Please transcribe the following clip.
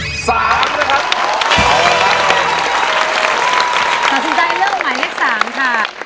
ตัดสินใจเลือกใหม่ให้๓ค่ะ